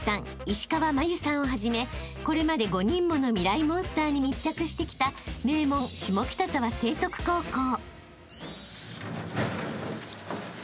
石川真佑さんをはじめこれまで５人ものミライ☆モンスターに密着してきた名門下北沢成徳高校］